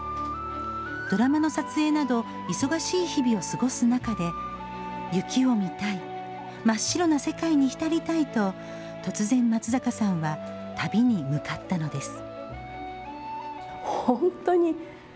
ドラマの撮影など忙しい日々を過ごす中で雪を見たい、真っ白な世界にひたりたいと、突然、松坂さんは旅に向かったのです。